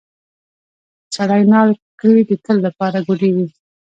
سړی نال کړې د تل لپاره ګوډیږي.